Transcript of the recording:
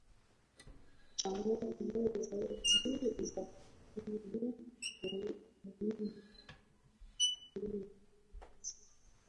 Uchambuzi zaidi za takwimu muhimu za mwaka elfu mbili na kumi na sita